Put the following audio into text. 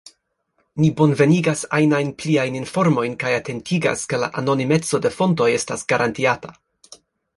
Ni bonvenigas ajnajn pliajn informojn kaj atentigas, ke la anonimeco de fontoj estas garantiata.